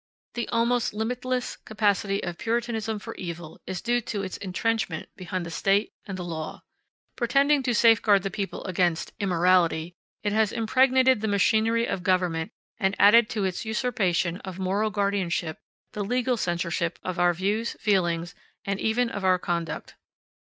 The almost limitless capacity of Puritanism for evil is due to its intrenchment behind the State and the law. Pretending to safeguard the people against "immorality," it has impregnated the machinery of government and added to its usurpation of moral guardianship the legal censorship of our views, feelings, and even of our conduct.